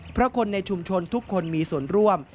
เพราะคนในชุมชนทุกคนมีส่วนร่วม